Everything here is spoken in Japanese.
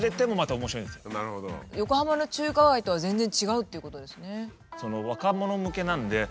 横浜の中華街とは全然違うっていうことですね。